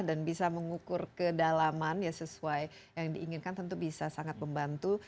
bisa mengukur kedalaman ya sesuai yang diinginkan tentu bisa sangat membantu